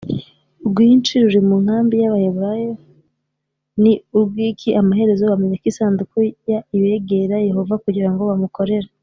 Rwinshi ruri mu nkambi y abaheburayo ni urw iki amaherezo bamenya ko isanduku ya begera yehova kugira ngo bamukorere